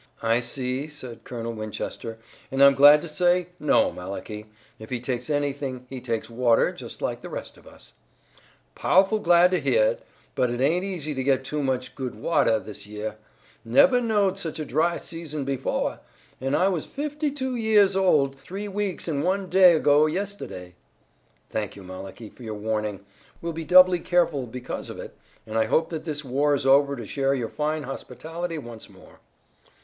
"I see," said Colonel Winchester, "and I'm glad to say no, Malachi. If he takes anything he takes water just like the rest of us." "Pow'ful glad to heah it, but it ain't easy to get too much good watah this yeah. Nevah knowed such a dry season befoah, an' I was fifty two yeahs old, three weeks an' one day ago yestuhday." "Thank you, Malachi, for your warning. We'll be doubly careful, because of it, and I hope after this war is over to share your fine hospitality once more."